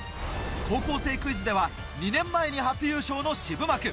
『高校生クイズ』では２年前に初優勝の渋幕。